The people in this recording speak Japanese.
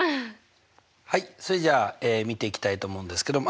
はいそれじゃあ見ていきたいと思うんですけどま